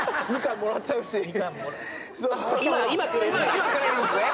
今くれるんですね。